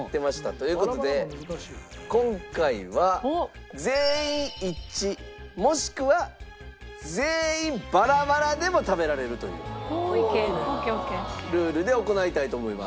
という事で今回は全員一致もしくは全員バラバラでも食べられるというルールで行いたいと思います。